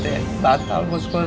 ya aja canggongwhen